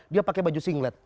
dia pake baju singlet